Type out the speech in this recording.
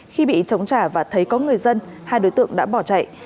khi bị chống trả và thấy có người dân hai đối tượng đã bỏ chạy